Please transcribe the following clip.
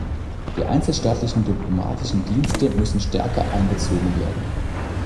Die einzelstaatlichen diplomatischen Dienste müssen stärker einbezogen werden.